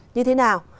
như thế nào